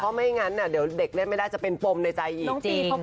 เพราะไม่งั้นน่ะเด็กเล่นไม่ได้ปรมในใจอีก